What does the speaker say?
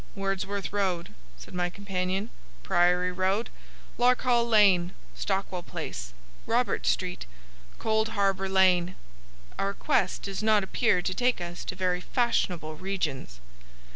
"Wordsworth Road," said my companion. "Priory Road. Lark Hall Lane. Stockwell Place. Robert Street. Cold Harbor Lane. Our quest does not appear to take us to very fashionable regions."